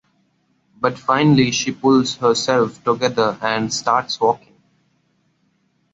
But finally she pulls herself together and starts walking.